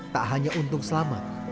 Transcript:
tak hanya untung selamat